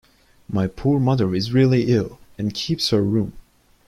My poor mother is really ill, and keeps her room.